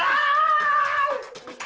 jangan jangan jajan